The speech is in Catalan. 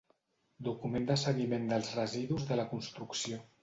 Document de seguiment dels residus de la construcció.